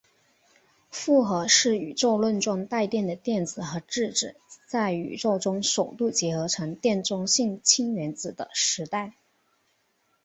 复合是宇宙论中带电的电子和质子在宇宙中首度结合成电中性氢原子的时代。